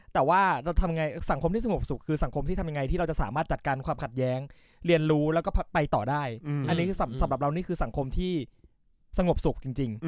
แต่ว่าเราทำไงสังคมที่สงบสุขคือสังคมที่ทำยังไงที่เราจะสามารถจัดการความขัดแย้งเรียนรู้แล้วก็ไปต่อได้อันนี้สำหรับเรานี่คือสังคมที่สงบสุขจริง